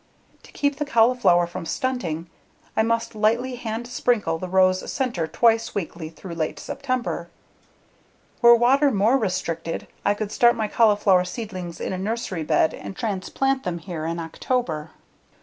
To keep the cauliflower from stunting I must lightly hand sprinkle the row's center twice weekly through late September. Were water more restricted I could start my cauliflower seedlings in a nursery bed and transplant them here in October.